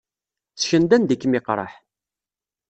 Ssken-d anda i kem-iqerreḥ.